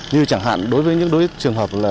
như chẳng hạn đối với những trường hợp